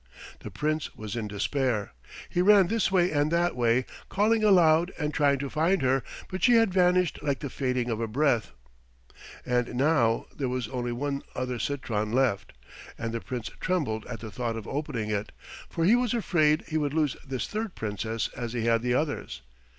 The Prince was in despair. He ran this way and that way, calling aloud and trying to find her, but she had vanished like the fading of a breath. And now there was only one other citron left, and the Prince trembled at the thought of opening it, for he was afraid he would lose this third Princess as he had the others.